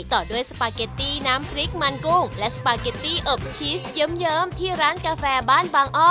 ต่อด้วยสปาเกตตี้น้ำพริกมันกุ้งและสปาเกตตี้อบชีสเยิ้มที่ร้านกาแฟบ้านบางอ้อ